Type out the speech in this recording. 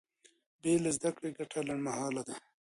بې له زده کړې ګټه لنډمهاله ده.